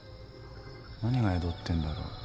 何が宿ってんだろう？